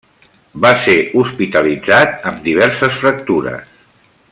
Va ser hospitalitzat amb diverses fractures.